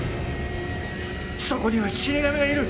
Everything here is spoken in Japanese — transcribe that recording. そこには死神がいる！